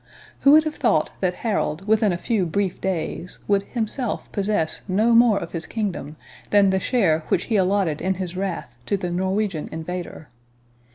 —Who would have thought that Harold, within a few brief days, would himself possess no more of his kingdom, than the share which he allotted in his wrath to the Norwegian invader?